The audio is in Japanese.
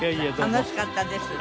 楽しかったです。